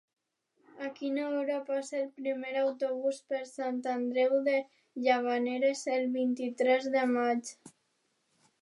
A quina hora passa el primer autobús per Sant Andreu de Llavaneres el vint-i-tres de maig?